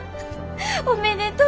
おめでとう！